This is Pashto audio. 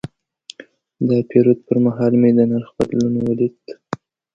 د پیرود پر مهال مې د نرخ بدلون ولید.